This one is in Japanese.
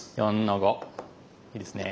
いいですね。